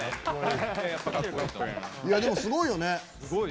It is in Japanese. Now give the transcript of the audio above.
でも、すごいよね。